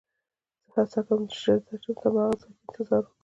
زه هڅه کوم چې ژر درشم، ته هماغه ځای کې انتظار وکړه.